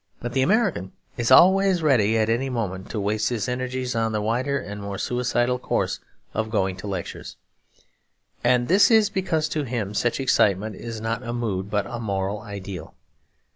But the American is always ready, at any moment, to waste his energies on the wilder and more suicidal course of going to lectures. And this is because to him such excitement is not a mood but a moral ideal.